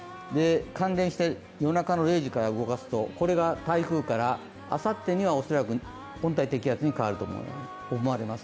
関連して夜中の０時から動かすとこれが台風からあさってには恐らく温帯低気圧に変わるとみられます。